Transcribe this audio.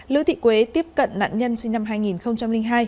lữ thị quế tiếp cận nạn nhân sinh năm hai nghìn hai